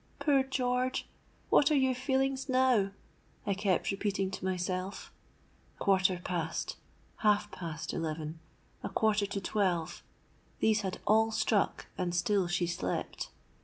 'Poor George! what are your feelings now?' I kept repeating to myself. A quarter past—half past eleven,—a quarter to twelve,—these had all struck, and still she slept.